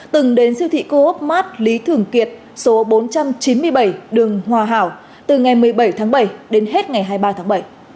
từng đến siêu thị coop mart lý thường kiệt số bốn trăm chín mươi bảy đường hòa hảo từ ngày một mươi bảy tháng bảy đến hết ngày hai mươi ba tháng bảy